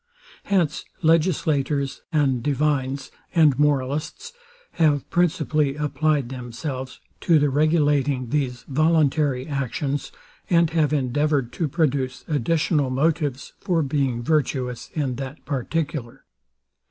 Hence legislators, and divines, and moralists, have principally applied themselves to the regulating these voluntary actions, and have endeavoured to produce additional motives, for being virtuous in that particular.